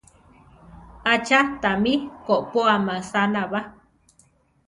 Acha tami kopóa masana ba?